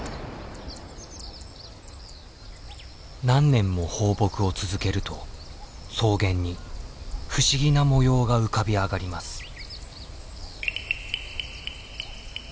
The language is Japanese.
何年も放牧を続けると草原に不思議な模様が浮かび上がります。